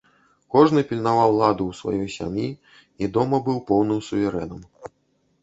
Кожны пільнаваў ладу ў сваёй сям'і і дома быў поўным суверэнам.